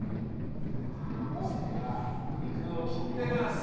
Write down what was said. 成田悠輔が肉を切ってます。